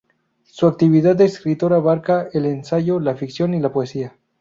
Su actividad de escritor abarca el ensayo, la ficción y la poesía.